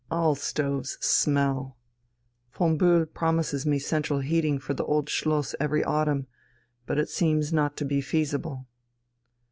All stoves smell. Von Bühl promises me central heating for the Old Schloss every autumn. But it seems not to be feasible."